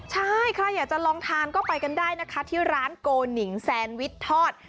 ใช่ใครอยากจะลองทานก็ไปกันได้นะคะที่ร้านโกหนิงแซนวิชทอด